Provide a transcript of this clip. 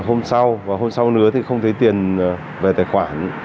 hôm sau và hôm sau nữa thì không thấy tiền về tài khoản